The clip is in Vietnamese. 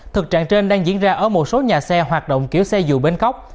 thực trạng trên đang diễn ra ở một số nhà xe hoạt động kiểu xe dù bến cóc